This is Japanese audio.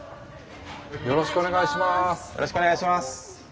よろしくお願いします。